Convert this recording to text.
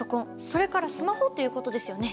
それからスマホっていうことですよね。